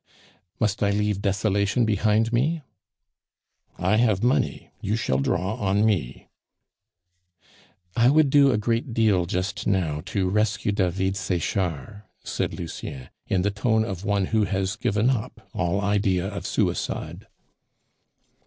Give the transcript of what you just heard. "Must I leave desolation behind me?" "I have money, you shall draw on me." "I would do a great deal just now to rescue David Sechard," said Lucien, in the tone of one who has given up all idea of suicide.